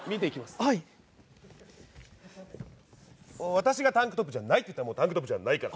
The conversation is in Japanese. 私がタンクトップじゃないっていったらもうタンクトップじゃないから。